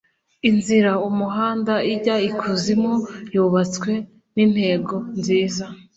inzira (umuhanda) ijya ikuzimu yubatswe nintego nziza.